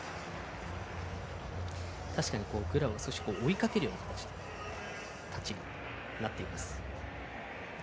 確かにグラブを追いかけるような形のタッチになっています。